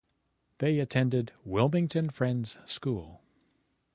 They attended Wilmington Friends School.